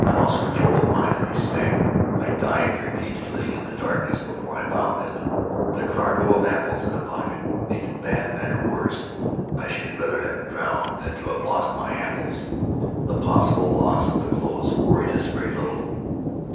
I lost control of mine and they sank. I dived repeatedly in the darkness before I found them. The cargo of apples in the pockets made a bad matter worse. I should rather have drowned than have lost my apples. The possible loss of the clothes worried us very little.